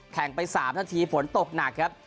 แข่งไป๓นาทีผลตกหนักครับ